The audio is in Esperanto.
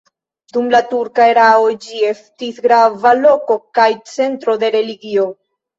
Dum la turka erao ĝi estis grava loko kaj centro de regiono.